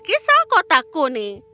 kisah kota kuning